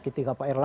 ketika pak herlaga